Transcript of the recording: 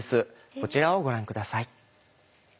こちらをご覧下さい。